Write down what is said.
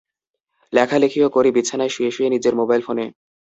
লেখালেখিও করি বিছানায় শুয়ে শুয়ে নিজের মোবাইল ফোনে।